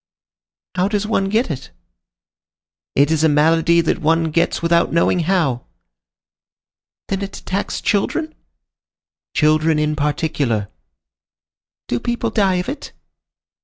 "How does one get it?" "It is a malady that one gets without knowing how." "Then it attacks children?" "Children in particular." "Do people die of it?"